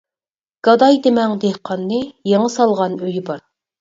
گاداي دېمەڭ دېھقاننى، يېڭى سالغان ئۆيى بار.